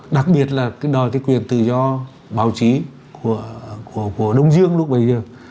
đặc biệt là đòi quyền tự do báo chí của đông dương lúc bây giờ